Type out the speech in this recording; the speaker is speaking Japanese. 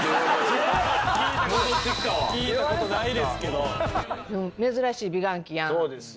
聞いた事ないですけど。